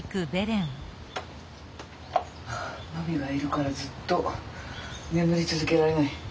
ああマミがいるからずっと眠り続けられない。